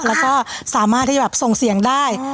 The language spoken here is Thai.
แล้วก็สามารถที่จะแบบส่งเสียงได้